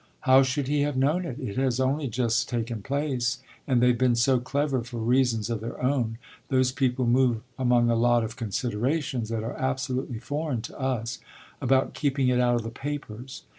"How should he have known it? It has only just taken place, and they've been so clever, for reasons of their own those people move among a lot of considerations that are absolutely foreign to us about keeping it out of the papers.